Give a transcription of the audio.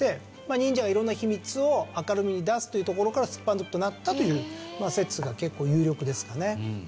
忍者が色んな秘密を明るみに出すというところから「すっぱ抜く」となったという説が結構有力ですかね。